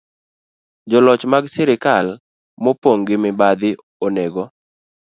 Joloch mag sirkal mopong ' gi mibadhi onego